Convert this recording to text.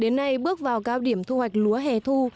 đến nay bước vào cao điểm thu hoạch lúa hẻ thu